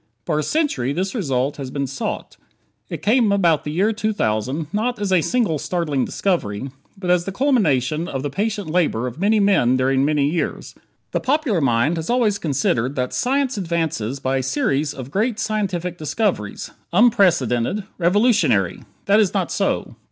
For a century this result had been sought. It came, about the year 2000, not as a single startling discovery, but as the culmination of the patient labor of many men during many years. The popular mind has always considered that science advances by a series of "great scientific discoveries"; "unprecedented"; "revolutionary." That is not so.